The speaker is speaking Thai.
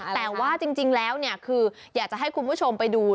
แต่ว่าจริงแล้วคืออยากจะให้คุณผู้ชมไปดู